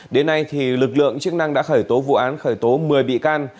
đến nay lực lượng chức năng đã khởi tố vụ án khởi tố một mươi bị can